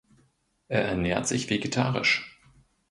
Er ernährt sich vegetarisch.